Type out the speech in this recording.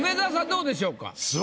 どうでしょうか？